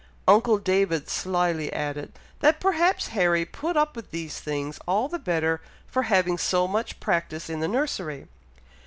Uncle David slyly added, that perhaps Harry put up with these things all the better for having so much practice in the nursery.